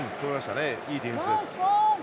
いいディフェンスです。